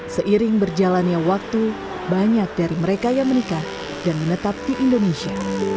seiring berjalannya waktu banyak dari mereka yang menikah dan menetap di indonesia